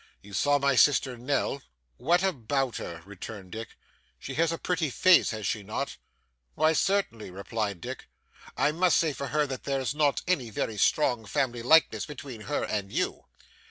'You saw my sister Nell?' 'What about her?' returned Dick. 'She has a pretty face, has she not?' 'Why, certainly,' replied Dick. 'I must say for her that there's not any very strong family likeness between her and you.